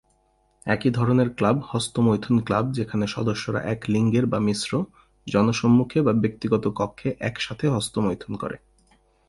একই ধরণের ক্লাব হস্তমৈথুন ক্লাব যেখানে সদস্যরা এক লিঙ্গের বা মিশ্র, জনসম্মুখে বা ব্যক্তিগত কক্ষে একসাথে হস্তমৈথুন করে।